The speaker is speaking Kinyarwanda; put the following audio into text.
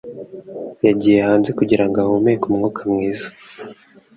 Yagiye hanze kugirango ahumeke umwuka mwiza.